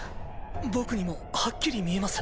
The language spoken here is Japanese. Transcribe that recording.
僕にもはっきり見えます。